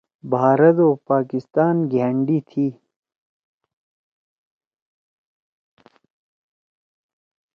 بھارت او پاکستان گھأنڈی تھی۔